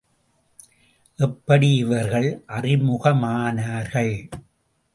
எப்படி இவர்கள் அறிமுகமானார்கள்!